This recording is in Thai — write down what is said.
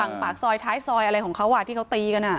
ฝั่งปากซอยท้ายซอยอะไรของเขาว่ะที่เขาตีกันอ่ะ